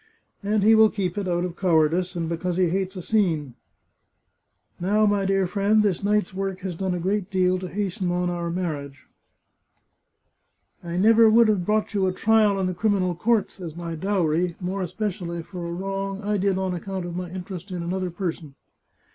" And he will keep it, out of cowardice, and because he hates a scene." " Now, my dear friend, this night's work has done a great deal to hasten on our marriage. I never would have brought you a trial in the criminal courts as my dowry, more espe cially for a wrong I did on account of my interest in another person."